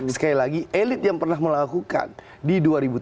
sekali lagi elit yang pernah melakukan di dua ribu tujuh belas